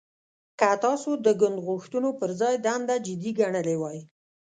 که تاسو د ګوند غوښتنو پر ځای دنده جدي ګڼلې وای